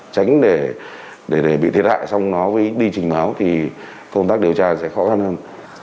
tránh để bị thiệt hại xong nó mới đi trình báo thì công tác điều tra sẽ khó khăn hơn